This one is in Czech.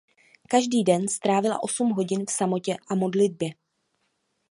Každý den strávila osm hodin v samotě a modlitbě.